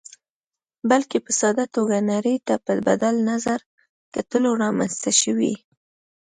بلکې په ساده توګه نړۍ ته په بدل نظر کتلو رامنځته شوې.